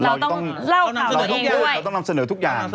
เราต้องพูดเราต้องนำเสนอทุกอย่าง